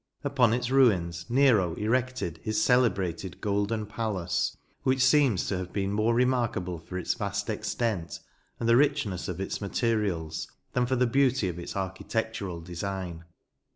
Upon its ruins Nero erected his celebrated Golden Palace," which seems to have been more remarkable for its vast extent, and the richness of its materials, than for the beauty of its architectural design.